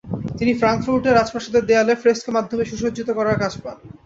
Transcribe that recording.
তিনি ফ্রাঙ্কফুর্টের রাজপ্রাসাদের দেয়াল ফ্রেস্কো মাধ্যমে সুসজ্জিত করার কাজ পান।